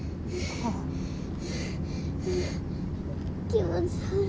気持ち悪い。